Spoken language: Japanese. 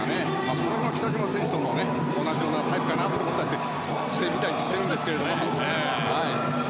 この辺は北島さんとも同じようなタイプかなと思ったりしているんですけどね。